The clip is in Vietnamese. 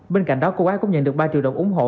bên cạnh đó cô gái cũng nhận được ba triệu đồng ủng hộ